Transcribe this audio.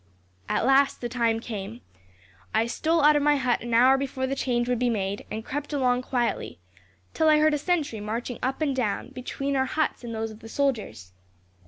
"At last, the time came. I stole out of my hut an hour before the change would be made, and crept along quietly, till I heard a sentry marching up and down between our huts and those of the soldiers.